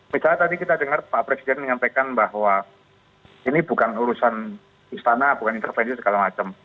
misalnya tadi kita dengar pak presiden menyampaikan bahwa ini bukan urusan istana bukan intervensi segala macam